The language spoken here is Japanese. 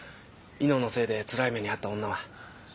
猪之のせいでつらい目に遭った女は。